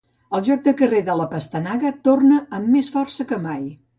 El joc de carrer de la pastanaga torna amb més força que mai